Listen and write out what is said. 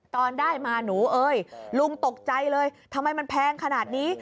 ตอนได้มาหนูเอ้ยลุงตกใจเลยทำไมมันแพงขนาดนี้